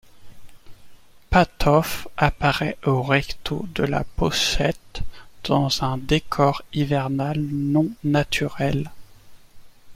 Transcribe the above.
Patof apparaît au recto de la pochette dans un décor hivernal non-naturel.